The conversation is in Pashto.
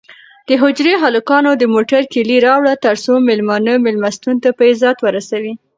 د حجرې هلکانو د موټر کیلي راوړه ترڅو مېلمانه مېلمستون ته په عزت ورسوي.